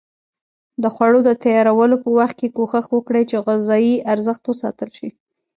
د خوړو د تیارولو په وخت کې کوښښ وکړئ چې غذایي ارزښت وساتل شي.